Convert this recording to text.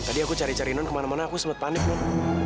tadi aku cari cari non kemana mana aku sempat panik non